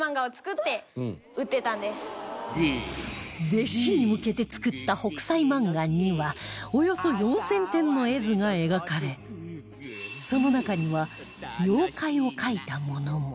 弟子に向けて作った『北斎漫画』にはおよそ４０００点の絵図が描かれその中には妖怪を描いたものも